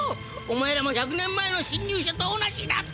お前らも１００年前の侵入者と同じダッピ！